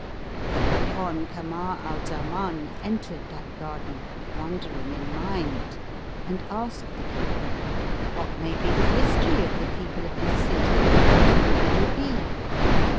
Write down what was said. Thereupon Kamar al Zaman entered that garden, wondering in mind, and asked the keeper, "What may be the history of the people of this city and who may they be?"